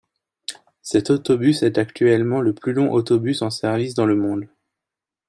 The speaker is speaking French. Cet autobus est actuellement le plus long autobus en service dans le monde.